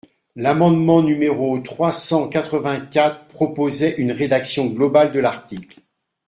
L’amendement numéro trois cent quatre-vingt-quatre proposait une rédaction globale de l’article.